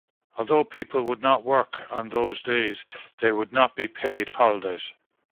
Although people would not work on those days, they would not be "paid" holidays.